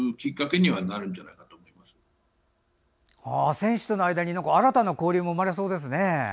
選手との間に新たな交流も生まれそうですね。